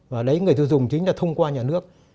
và đấy người tiêu dùng chính là thông qua nhà nước